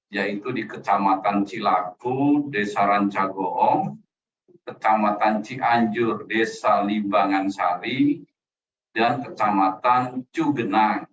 yaitu di kecamatan cilaku desa rancagoong kecamatan cianjur desa limbangan sari dan kecamatan cugenang